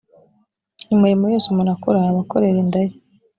imirimo yose umuntu akora aba akorera inda ye